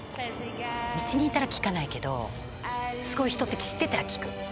道にいたら聞かないけどすごい人って知ってたら聞く。